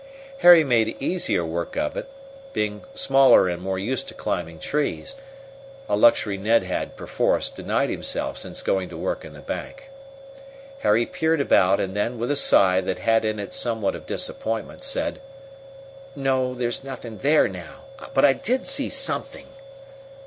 Harry made easier work of it, being smaller and more used to climbing trees, a luxury Ned had, perforce, denied himself since going to work in the bank. Harry peered about, and then, with a sigh that had in it somewhat of disappointment, said: "No; there's nothing there now. But I did see something."